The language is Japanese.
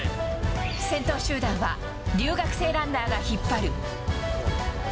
先頭集団は留学生ランナーが引っ張る。